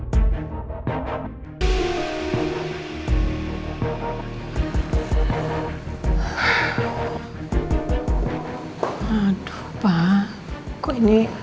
jadi aku mau mencoba